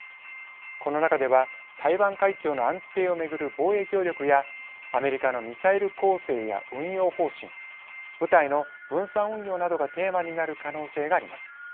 この中では台湾海峡の安定をめぐる防衛協力やアメリカのミサイル構成や運用方針、部隊の分散運用などがテーマになる可能性があります。